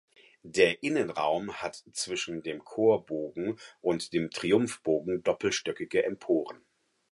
Der Innenraum hat zwischen dem Chorbogen und dem Triumphbogen doppelstöckige Emporen.